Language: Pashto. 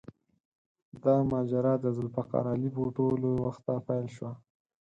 دا ماجرا د ذوالفقار علي بوټو له وخته پیل شوه.